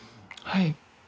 はい。